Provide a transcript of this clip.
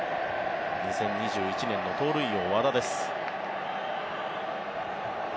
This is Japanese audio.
２０２１年の盗塁王和田です。